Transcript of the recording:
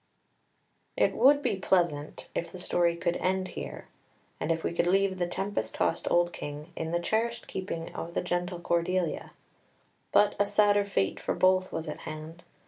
It would be pleasant if the story could end here, and if we could leave the tempest tossed old King in the cherished keeping of the gentle Cordelia. But a sadder fate for both was at hand.